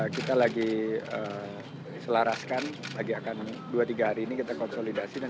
kita sekarang kerja kerja kerja